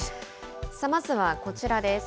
まずはこちらです。